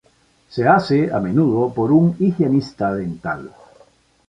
Se hace a menudo por un higienista dental.